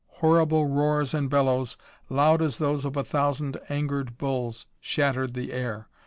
Horrible roars and bellows, loud as those of a thousand angered bulls, shattered the air.